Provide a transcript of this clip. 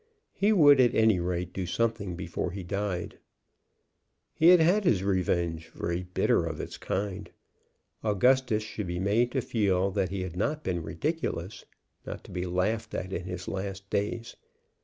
He would, at any rate, do something before he died. He had had his revenge, very bitter of its kind. Augustus should be made to feel that he had not been ridiculous, not to be laughed at in his last days.